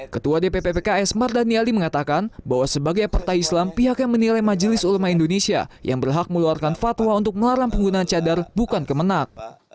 ketua dpp pks mardani ali mengatakan bahwa sebagai partai islam pihak yang menilai majelis ulama indonesia yang berhak meluarkan fatwa untuk melarang penggunaan cadar bukan kemenang